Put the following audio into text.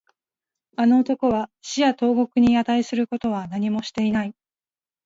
あの男は死や投獄に値することは何もしていない